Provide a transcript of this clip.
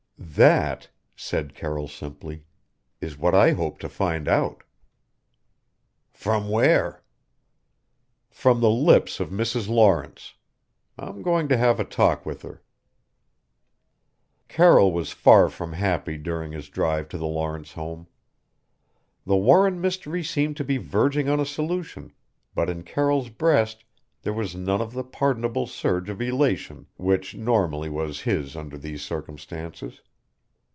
"That," said Carroll simply, "is what I hope to find out." "From where?" "From the lips of Mrs. Lawrence. I'm going to have a talk with her." Carroll was far from happy during his drive to the Lawrence home. The Warren mystery seemed to be verging on a solution, but in Carroll's breast there was none of the pardonable surge of elation which normally was his under these circumstances.